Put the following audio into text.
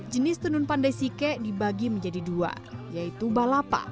jenis tenun pandai sike dibagi menjadi dua yaitu balapa